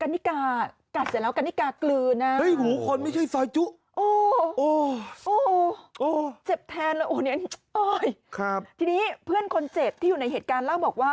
ทีนี้เพื่อนคนเจ็บที่อยู่ในเหตุการณ์เล่าบอกว่า